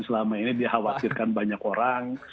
selama ini dikhawatirkan banyak orang